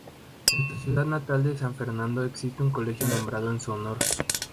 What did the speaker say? En su ciudad natal de San Fernando existe un colegio nombrado en su honor.